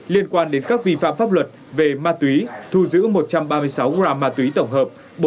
liên quan đến các vi phạm pháp luật về ma túy thu giữ một trăm ba mươi sáu gram ma túy tổng hợp